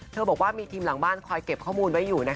เธอบอกว่ามีทีมหลังว่างคอยเก็บข้อมูลไว้อยู่นะคะ